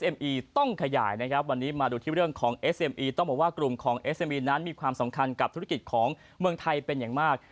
มีความสำคัญกับธุรกิจของเมืองไทยเป็นอย่างมาก